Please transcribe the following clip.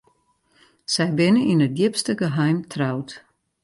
Sy binne yn it djipste geheim troud.